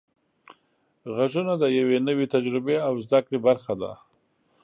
غږونه د یوې نوې تجربې او زده کړې برخه ده.